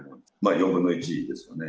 ４分の１ですよね。